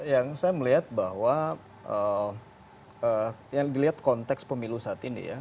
yang saya melihat bahwa yang dilihat konteks pemilu saat ini ya